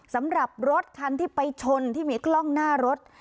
สำหรับรถคันที่ไปชนที่มีกล้องหน้ารถ